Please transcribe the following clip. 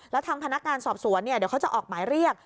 แล้วทางพนักงานสอบสวนเดี๋ยวเขาจะออกหมายเรียก